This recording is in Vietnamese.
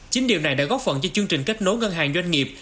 chính điều này đã góp phần cho chương trình kết nối ngân hàng doanh nghiệp